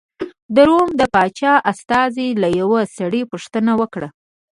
د روم د پاچا استازي له یوه سړي پوښتنه وکړه.